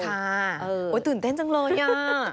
ตื่นเต้นจังเลยอ่ะ